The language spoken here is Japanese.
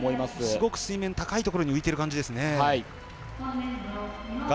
すごく水面高いところに浮いている感じですね。